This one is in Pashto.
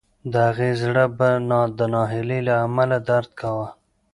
د هغې زړه به د ناهیلۍ له امله درد کاوه